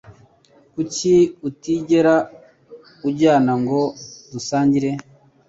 Kuki utigera unjyana ngo dusangire?